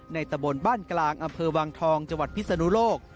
ตะบนบ้านกลางอำเภอวังทองจังหวัดพิศนุโลก